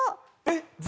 えっ！